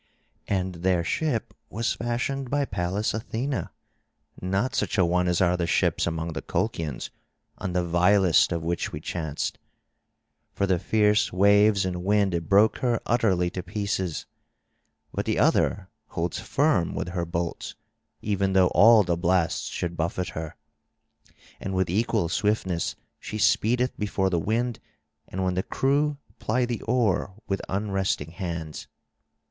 And their ship was fashioned by Pallas Athena, not such a one as are the ships among the Colchians, on the vilest of which we chanced. For the fierce waves and wind broke her utterly to pieces; but the other holds firm with her bolts, even though all the blasts should buffet her. And with equal swiftness she speedeth before the wind and when the crew ply the oar with unresting hands.